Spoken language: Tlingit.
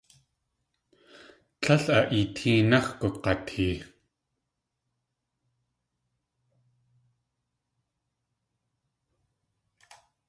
Tlél a eetéenáx̲ gug̲atee.